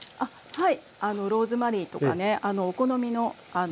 はい。